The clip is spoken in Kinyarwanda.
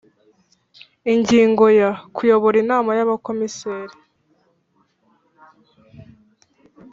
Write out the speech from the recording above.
Ingingo ya kuyobora inama y abakomiseri